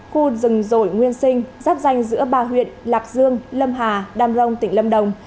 khu rừng rổi nguyên sinh giáp danh giữa ba huyện lạc dương lâm hà đam rông tỉnh lâm đồng